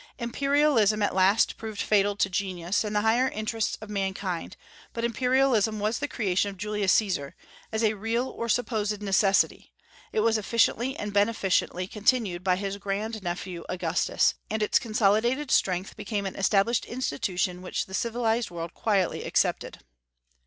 Imperialism at last proved fatal to genius and the higher interests of mankind; but imperialism was the creation of Julius Caesar, as a real or supposed necessity; it was efficiently and beneficently continued by his grand nephew Augustus; and its consolidated strength became an established institution which the civilized world quietly accepted.